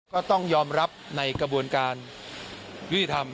ก็ต้องยอมรับในกระบวนการยุติธรรม